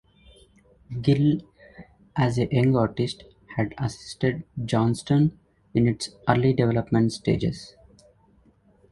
Gill as a young artist had assisted Johnston in its early development stages.